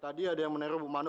tadi ada yang menerung ibu manu